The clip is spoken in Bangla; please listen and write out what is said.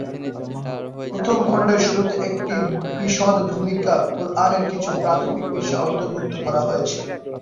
প্রথম খণ্ডের শুরুতে একটি বিশদ ভূমিকা, কুরআনের কিছু প্রাথমিক বিষয় অন্তর্ভুক্ত করা হয়েছে।